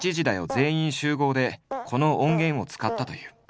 全員集合」でこの音源を使ったという。